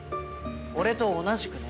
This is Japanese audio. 俺と同じくね。